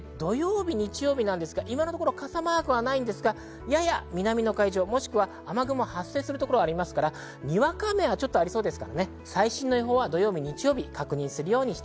土日は今のところ傘マークはありませんが、やや南の海上、もしくは雨雲が発生するところもありますから、にわか雨はちょっとありそうです。